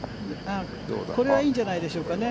これはいいんじゃないでしょうかね。